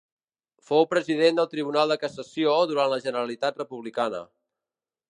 Fou President del Tribunal de Cassació durant la Generalitat republicana.